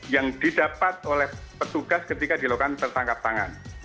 yang didapat oleh petugas ketika dilakukan tertangkap tangan